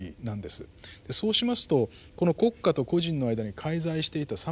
そうしますとこの国家と個人の間に介在していたさまざまな中間団体